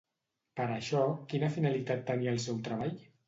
Per això, quina finalitat tenia el seu treball?